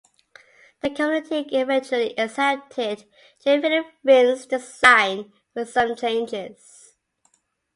The committee eventually accepted J. Phillip Rinn's design with some changes.